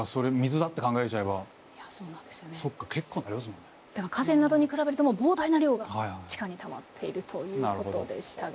だから河川などに比べるともう膨大な量が地下にたまっているということでしたが。